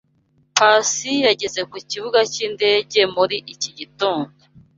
Pacy yageze ku kibuga cyindege muri iki gitondo.